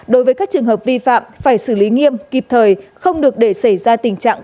đối với các trường hợp vi phạm phải xử lý nghiêm kịp thời không được để xảy ra tình trạng